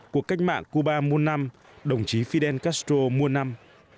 cuộc cách mạng cuba muôn năm đồng chí fidel castro muôn năm